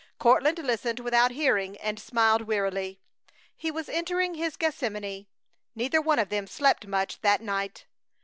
Courtland listened without hearing and smiled wearily. He was entering his Gethsemane. Neither one of them slept much that night.